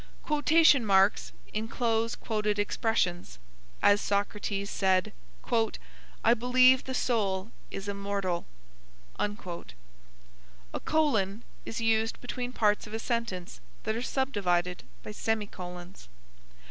Quotation marks ("") inclose quoted expressions; as Socrates said: "I believe the soul is immortal." A colon (:) is used between parts of a sentence that are subdivided by semi colons.